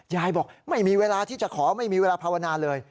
ยายบอกไม่มีเวลาที่จะขอไม่มีเวลาภาวนาเลย